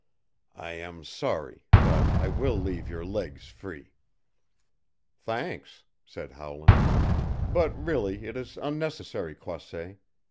I am sorry but I will leave your legs free." "Thanks," said Howland. "But, really, it is unnecessary, Croisset.